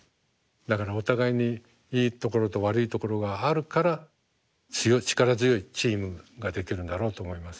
だからお互いにいいところと悪いところがあるから力強いチームができるんだろうと思います。